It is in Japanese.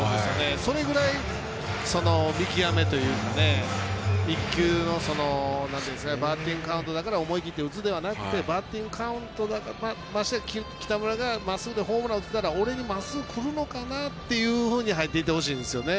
それぐらい、見極めというか１球のバッティングカウントだから思い切って打つではなくてましてや北村がまっすぐでホームラン打ててるから俺にまっすぐくるのかな？というふうに入っていってほしいんですよね。